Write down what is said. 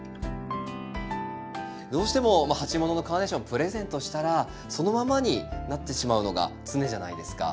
どうしても鉢物のカーネーションプレゼントしたらそのままになってしまうのが常じゃないですか。